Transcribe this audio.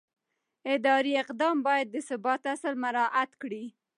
اداري اقدام باید د ثبات اصل مراعت کړي.